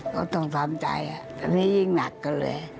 เขาต้องทำใจตอนนี้ยิ่งหนักกันเลย